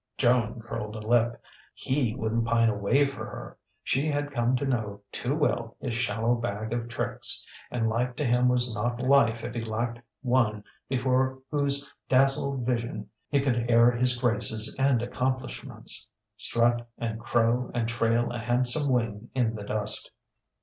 Joan curled a lip: he wouldn't pine away for her. She had come to know too well his shallow bag of tricks; and life to him was not life if he lacked one before whose dazzled vision he could air his graces and accomplishments strut and crow and trail a handsome wing in the dust.